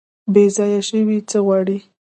بیځایه شوي څه غواړي؟